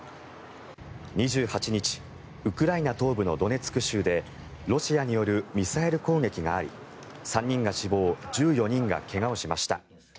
２８日ウクライナ東部のドネツク州でロシアによるミサイル攻撃があり３人が死亡１４人が怪我をしました。